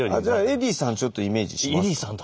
じゃあエディさんちょっとイメージしますか？